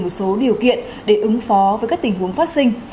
một số điều kiện để ứng phó với các tình huống phát sinh